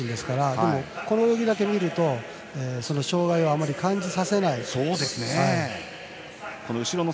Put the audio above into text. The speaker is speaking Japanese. でも、この泳ぎだけ見ると障がいは、あまり感じさせない。